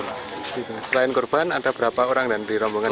selain korban ada berapa orang di rombongan yang meninggal